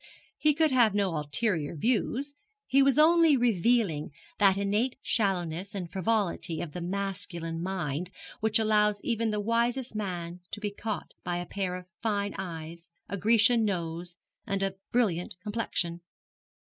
He could have no ulterior views; he was only revealing that innate shallowness and frivolity of the masculine mind which allows even the wisest man to be caught by a pair of fine eyes, a Grecian nose, and a brilliant complexion.